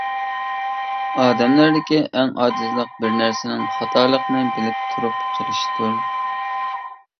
ئادەملەردىكى ئەڭ ئاجىزلىق بىر نەرسىنىڭ خاتالىقىنى بىلىپ تۇرۇپ قىلىشتۇر.